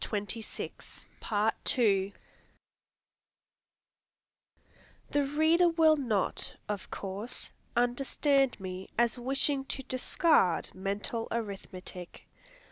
The reader will not, of course, understand me as wishing to discard Mental arithmetic.